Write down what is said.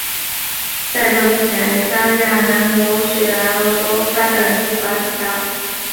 在这之前沙亚南由雪兰莪州发展局管辖。